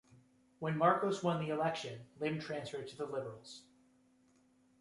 When Marcos won the election, Lim transferred to the Liberals.